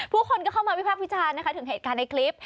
คนก็เข้ามาวิพักษ์วิจารณ์นะคะถึงเหตุการณ์ในคลิป